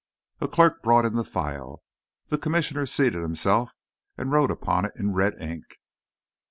A clerk brought in the file. The Commissioner seated himself and wrote upon it in red ink.